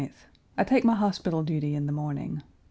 I take my hospital duty in the morning.